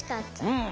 うん！